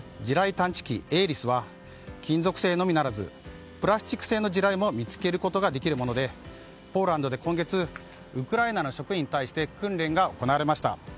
探知機ＡＬＩＳは金属製のみならずプラスチック製の地雷も見つけることができるものでポーランドで今月ウクライナの職員に対して訓練が行われました。